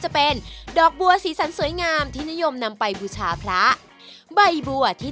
จะเป็นดอกบัวสีสันสวยงามที่นิยมนำไปบูชาพระใบบัวที่